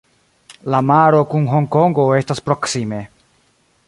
La maro kun Honkongo estas proksime.